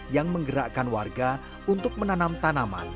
yang menggerakkan warga untuk menanam tanaman